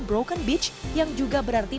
broken beach yang juga berarti